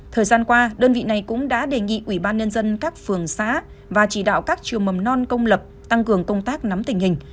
thời gian qua đơn vị này cũng đã đề nghị ủy ban nhân dân các phường xã và chỉ đạo các trường mầm non công lập tăng cường công tác nắm tình hình